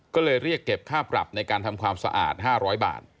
ก็เลยเรียกเก็บค่าปรับในการทำความสะอาด๕๐๐บาท